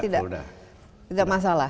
itu sudah sudah tidak masalah